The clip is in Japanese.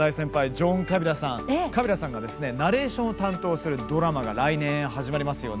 ジョン・カビラさんがナレーションを担当するドラマが来年始まりますよね。